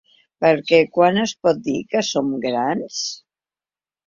Perquè, quan es pot dir que som grans?